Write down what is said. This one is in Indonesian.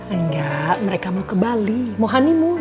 enggak mereka mau ke bali mau honeymoon